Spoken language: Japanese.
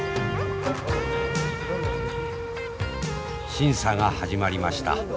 審査が始まりました。